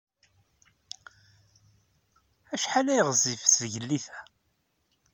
Acḥal ay ɣezzifet tleggit-a?